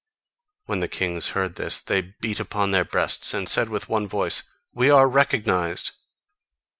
When the kings heard this, they beat upon their breasts and said with one voice: "We are recognised!